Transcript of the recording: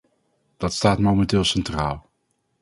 Dat staat momenteel centraal.